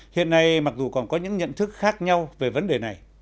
hiện nay mặc dù còn có những nhận thức khác nhau về vấn đề này